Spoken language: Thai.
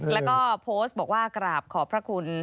แล้วก็โพสต์บอกว่ากราบขอบพระคุณ